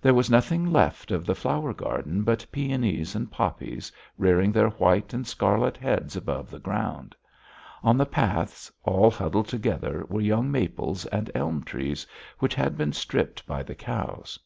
There was nothing left of the flower garden but peonies and poppies, rearing their white and scarlet heads above the ground; on the paths, all huddled together, were young maples and elm trees, which had been stripped by the cows.